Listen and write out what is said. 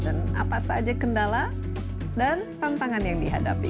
apa saja kendala dan tantangan yang dihadapi